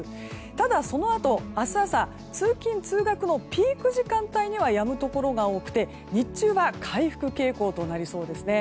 ただ、そのあと明日朝通勤・通学のピーク時間帯にはやむところが多くて、日中は回復傾向となりそうですね。